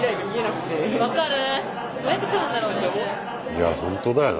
いや本当だよ。